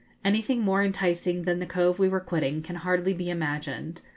Anything more enticing than the cove we were quitting can hardly be imagined.